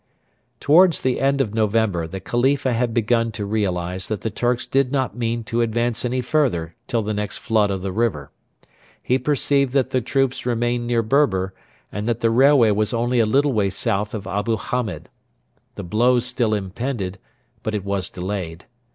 Towards the end of November the Khalifa had begun to realise that the Turks did not mean to advance any further till the next flood of the river. He perceived that the troops remained near Berber, and that the railway was only a little way south of Abu Hamed. The blow still impended, but it was delayed.